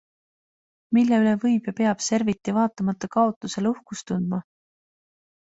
Mille üle võib ja peab Serviti vaatamata kaotusele uhkust tundma?